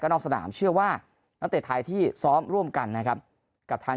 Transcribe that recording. นอกสนามเชื่อว่านักเตะไทยที่ซ้อมร่วมกันนะครับกับทาง